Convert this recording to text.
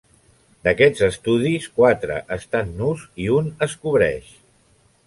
D'aquests estudis, quatre estan nus i un es cobreix.